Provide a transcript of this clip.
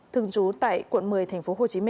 thường trú tại quận một mươi tp hcm